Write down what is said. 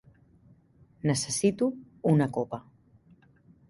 Necessito una copa.